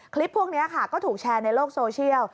คลิปพวกนี้ก็ถูกแชร์ในโลกโซเชียล